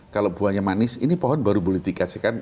kalau buahnya manis ini pohon baru boleh dikasihkan